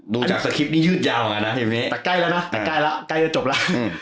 ดูจากสกิปนี้ยืดยาวน่ะนะแต่ใกล้ละนะแต่ใกล้ละใกล้จะจบล่ะ